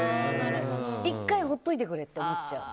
１回ほっといてくれと思っちゃう。